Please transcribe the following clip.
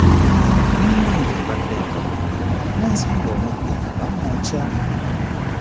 Munnange mbadde nva ku mulimu ne nsanga omubbi nga bamwokya.